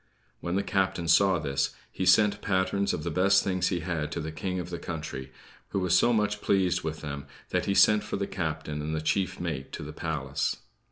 When the captain saw this, he sent patterns of the best things he had to the King of the country; who was so much pleased with them, that he sent for the captain and the chief mate to the palace.